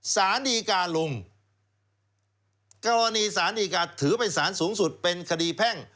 สารดีการลงกรณีสารดีการถือเป็นสารสูงสุดเป็นคดีแพ่ง